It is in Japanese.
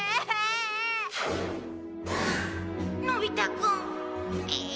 のび太くんええー